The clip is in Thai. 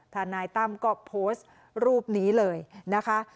ทนายตั้มก็โพสต์รูปนี้เลยนะคะ